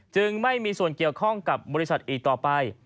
จึงไม่มีส่วนเกี่ยวข้องกับบริษัทอีกต่อไป